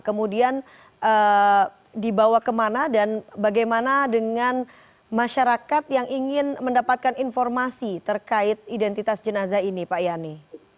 kemudian dibawa kemana dan bagaimana dengan masyarakat yang ingin mendapatkan informasi terkait identitas jenazah ini pak yani